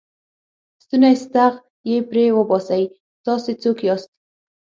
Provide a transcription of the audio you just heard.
ستونی ستغ یې پرې وباسئ، تاسې څوک یاست؟